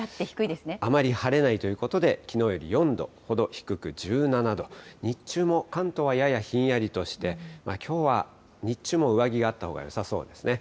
あまり晴れないということで、きのうより４度ほど低く１７度、日中も関東はややひんやりとして、きょうは日中も上着があったほうがよさそうですね。